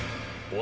お！